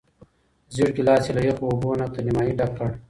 زېړ ګیلاس یې له یخو اوبو نه تر نیمايي ډک کړ.